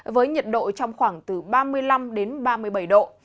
với nhiệt độ trong khoảng từ ba mươi năm đến ba mươi bảy độ